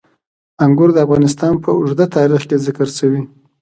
انګور د افغانستان په اوږده تاریخ کې ذکر شوي.